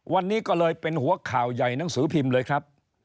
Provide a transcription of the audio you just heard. วันนี้ก็เลยเป็นหัวข่าวใหญ่หนังสือพิมพ์เลยครับ